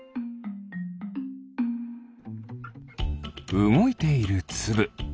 うごいているつぶ。